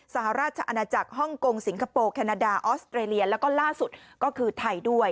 สหราชอาณาจักรฮ่องกงสิงคโปร์แคนาดาออสเตรเลียแล้วก็ล่าสุดก็คือไทยด้วย